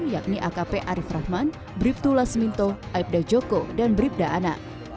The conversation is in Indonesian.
yakni akp arief rahman bribtu lasminto aibda joko dan bribda ana